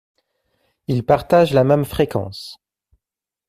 Ils partagent la même fréquence.